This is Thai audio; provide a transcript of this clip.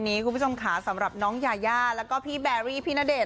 นี้คุณผู้ชมขาสำหรับน้องยาแล้วก็พี่แบร์ริพี่นาเดช